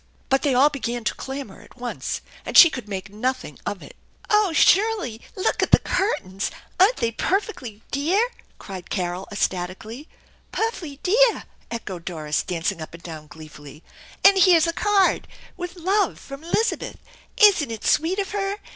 But they all began to clamor at once, and she could make nothing of it. " Oh Shirley, look at the curtains ! Aren't they perfectly dear ?" cried Carol ecstatically. 134 THE ENCHANTED BARN " Perf 'ly deah !" echoed Doris, dancing up and down gleefully. "And here's a card, < With love from Elizabeth '! Isn't it fiweet of her?